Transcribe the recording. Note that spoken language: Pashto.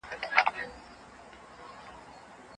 روغ بدن روغ ذهن لري.